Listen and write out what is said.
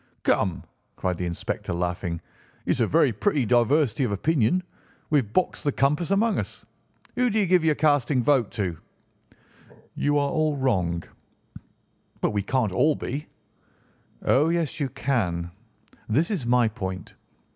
"Come," cried the inspector, laughing; "it's a very pretty diversity of opinion. We have boxed the compass among us. Who do you give your casting vote to?" "You are all wrong." "But we can't all be." "Oh, yes, you can. This is my point."